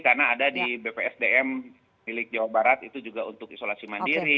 karena ada di bpsdm milik jawa barat itu juga untuk isolasi mandiri